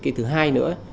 cái thứ hai nữa